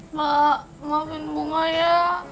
pak maafin bunga ya